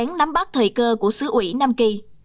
chống nắm bắt thời cơ của xứ ủy nam kỳ